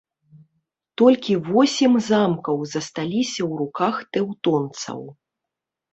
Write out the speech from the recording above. Толькі восем замкаў засталіся ў руках тэўтонцаў.